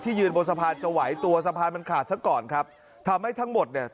ยืนบนสะพานจะไหวตัวสะพานมันขาดซะก่อนครับทำให้ทั้งหมดเนี่ย